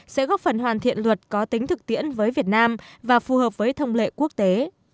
sẽ góp phần hoàn thiện luật có tính thực tiễn với việt nam và phù hợp với thông lệ quốc tế